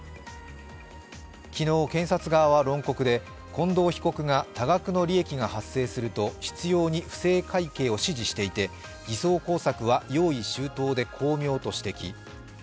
昨日、検察側は論告で近藤被告が多額の利益が発生すると執ように不正会計を指示していて偽装工作は用意周到で巧妙と指摘。